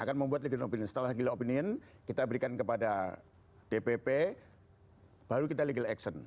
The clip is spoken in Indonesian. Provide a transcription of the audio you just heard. akan membuat legal opinion setelah legal opinion kita berikan kepada dpp baru kita legal action